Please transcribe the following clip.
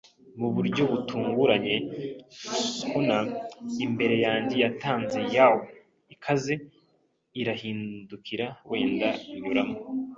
Mu buryo butunguranye, schooner imbere yanjye yatanze yaw ikaze, irahindukira, wenda, inyuramo